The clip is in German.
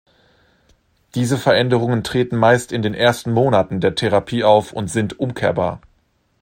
Diese Veränderungen treten meist in den ersten Monaten der Therapie auf und sind umkehrbar.